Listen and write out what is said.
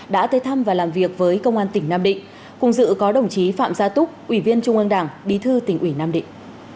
đã tới thăm và làm việc với công an tỉnh nam định cùng dự có đồng chí phạm gia túc ủy viên trung ương đảng bí thư tỉnh ủy nam định